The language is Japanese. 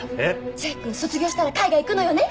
千秋君卒業したら海外行くのよね？